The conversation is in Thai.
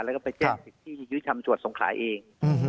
แล้วก็ไปแจ้งสิทธิ์ที่ยุทธรรมจวดสงขาเอง